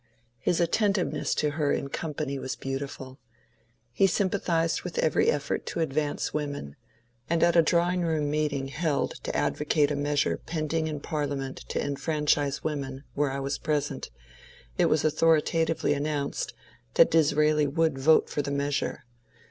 His attentiveness to her in company was beautiful. He sympathized with every effort to advance women, and at a drawing room meeting held to advo cate a measure pending in Parliament to enfranchise women, where I was present, it was authoritatively announced that Disraeli would vote for the measure.